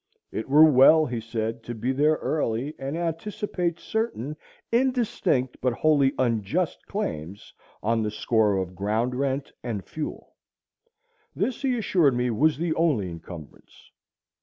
It were well, he said, to be there early, and anticipate certain indistinct but wholly unjust claims on the score of ground rent and fuel. This he assured me was the only encumbrance.